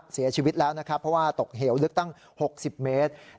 เสียชีวิตแล้วนะครับเพราะว่าตกเหวลึกตั้ง๖๐เมตร